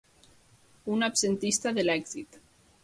Un absentista de l'èxit.